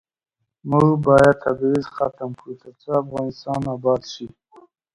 موږ باید تبعیض ختم کړو ، ترڅو افغانستان اباد شي.